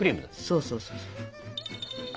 そうそうそうそう。